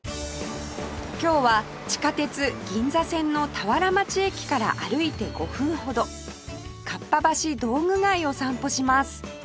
今日は地下鉄銀座線の田原町駅から歩いて５分ほどかっぱ橋道具街を散歩します